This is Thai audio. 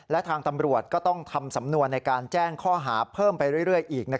และทางตำรวจก็ต้องทำสำนวนในการแจ้งข้อหาเพิ่มไปเรื่อยอีก